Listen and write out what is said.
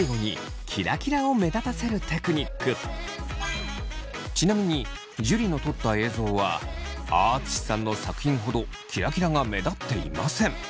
最後にちなみに樹の撮った映像はあああつしさんの作品ほどキラキラが目立っていません。